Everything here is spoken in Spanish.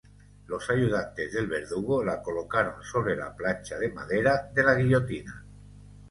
Los ayudantes del verdugo la colocaron sobre la plancha de madera de la guillotina.